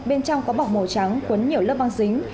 bên trong có bọc màu trắng quấn nhiều lớp băng dính